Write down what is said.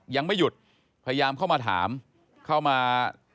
ยังไม่หยุดพยายามเข้ามาถามเข้ามา